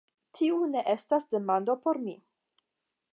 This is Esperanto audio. Tiu ne estas demando por mi.